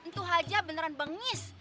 tuh haja beneran bengis